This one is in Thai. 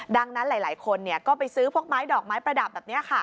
ดังนั้นหลายคนก็ไปซื้อพวกไม้ดอกไม้ประดับแบบนี้ค่ะ